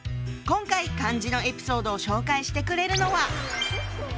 今回漢字のエピソードを紹介してくれるのは。